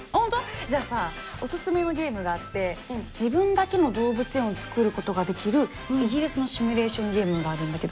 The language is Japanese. じゃあさオススメのゲームがあって自分だけの動物園を作ることができるイギリスのシミュレーションゲームがあるんだけど。